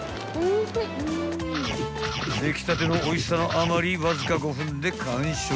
［出来たてのおいしさのあまりわずか５分で完食］